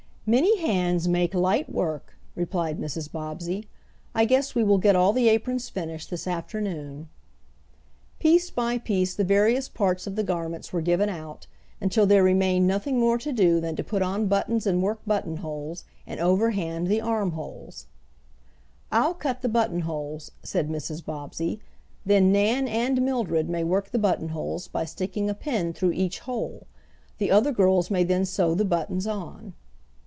"Many hands make light work," replied Mrs. Bobbsey. "I guess we will get all the aprons finished this afternoon." Piece by piece the various parts of the garments were given out, until there remained nothing more to do than to put on buttons and work buttonholes, and overhand the arm holes. "I'll cut the buttonholes," said Mrs. Bobbsey, "then Nan and Mildred may work the buttonholes by sticking a pin through each hole. The other girls may then sew the buttons on."